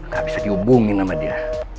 gak bisa dihubungin sama dia